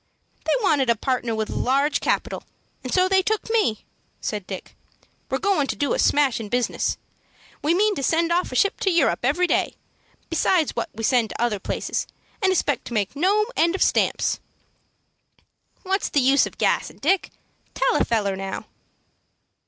"They wanted a partner with a large capital, and so they took me," said Dick. "We're goin' to do a smashin' business. We mean to send off a ship to Europe every day, besides what we send to other places, and expect to make no end of stamps." "What's the use of gassin', Dick? Tell a feller now."